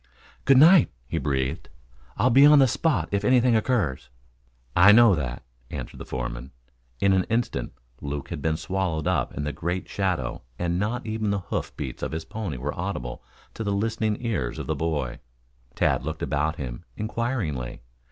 "Good night," he breathed. "I'll be on the spot if anything occurs." "I know that," answered the foreman. In an instant Luke had been swallowed up in the great shadow and not even the hoof beats of his pony were audible to the listening ears of the boy. Tad looked about him inquiringly.